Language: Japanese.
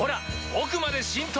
奥まで浸透！